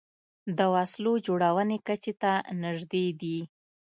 د وسلو جوړونې کچې ته نژدې دي